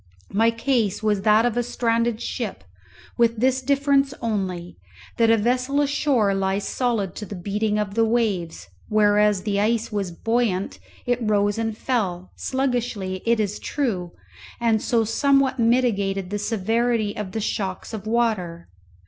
My case was that of a stranded ship, with this difference only, that a vessel ashore lies solid to the beating of the waves, whereas the ice was buoyant, it rose and fell, sluggishly it is true, and so somewhat mitigated the severity of the shocks of water.